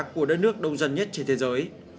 của đất nước đông dân nhất trên thế giới